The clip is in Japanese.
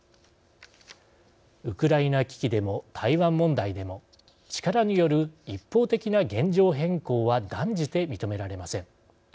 ウクライナ危機でも台湾問題でも力による一方的な現状変更は、断じて認められません。